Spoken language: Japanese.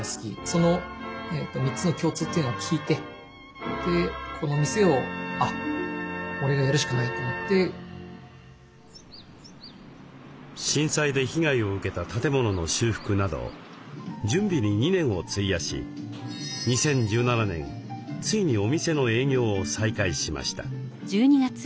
その３つの共通点を聞いて震災で被害を受けた建物の修復など準備に２年を費やし２０１７年ついにお店の営業を再開しました。